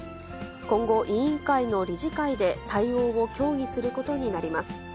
今後、委員会の理事会で、対応を協議することになります。